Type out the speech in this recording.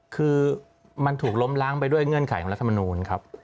คือมันถูกล้มล้างไปด้วยเงื่อนไขของรัฐมนูลครับ